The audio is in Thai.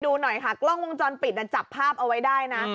ดูหน่อยค่ะกล้องวงจรปิดจับภาพเอาไว้ได้นะ